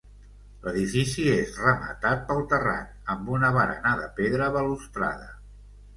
L'edifici és rematat pel terrat, amb una barana de pedra balustrada.